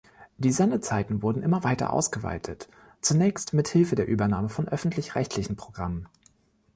Die Sendezeiten wurden immer weiter ausgeweitet, zunächst mithilfe der Übernahme von öffentlich-rechtlichen Programmen.